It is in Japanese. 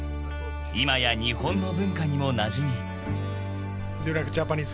［今や日本の文化にもなじみ］